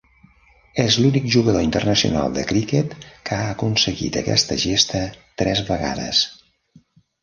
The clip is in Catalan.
És l'únic jugador internacional de cricket que ha aconseguit aquesta gesta tres vegades.